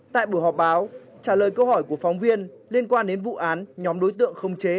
tại buổi họp báo trả lời câu hỏi của phóng viên liên quan đến vụ án nhóm đối tượng khống chế